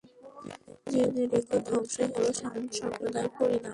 জেনে রেখ, ধ্বংসই হল ছামূদ সম্প্রদায়ের পরিণাম।